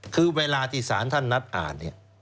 คือเวลาที่ศาลท่านนัดอ่าน